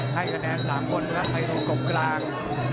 ให้กระแดงสามคนนะครับให้รุ่นกล่องกลาง